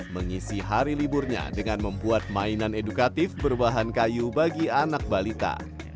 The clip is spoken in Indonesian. mengisi hari liburnya dengan membuat mainan edukatif berbahan kayu bagi anak balita